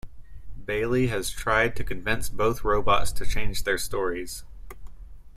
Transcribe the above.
Baley has tried to convince both robots to change their stories.